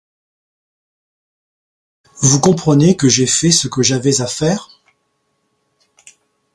Vous comprenez que j’ai fait ce que j’avais à faire ?